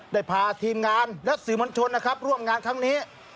ได้พาทีมงานและสรุพันธ์ชนในการร่วมงานที่นี้